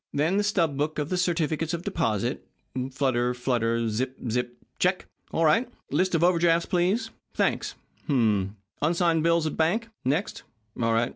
Then the stub book of the certificates of deposit. Flutter flutter zip zip check! All right. List of over drafts, please. Thanks. H'm m. Unsigned bills of the bank, next. All right.